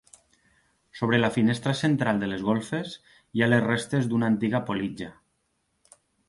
Sobre la finestra central de les golfes, hi ha les restes d'una antiga politja.